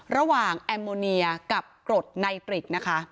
ระหว่างแอมโมเนียกับกรดนายเตรดนะคะ